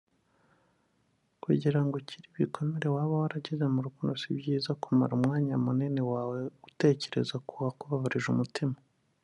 Kugirango ukire ibikomere waba waragize mu rukundo si byiza kumara umwanya munini wawe wose utekereza kuwakubabarije umutima